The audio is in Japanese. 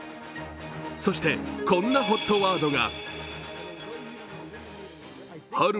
そしてこんなＨＯＴワードが。